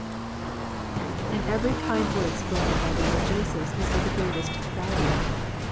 And every kind of word spoken by the Lord Jesus is of the greatest value.